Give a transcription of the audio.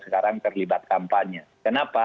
sekarang terlibat kampanye kenapa